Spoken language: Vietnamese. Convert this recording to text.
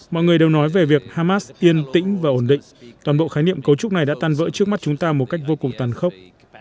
mọi người đều nói về việc hamas yên tĩnh và ổn định toàn bộ khái niệm cấu trúc này đã tan vỡ trước mắt chúng ta một cách vô cùng tàn khốc